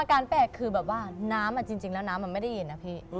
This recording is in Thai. อาการแปลกคือแบบว่าน้ำจริงแล้วน้ำมันไม่ได้ยินนะพี่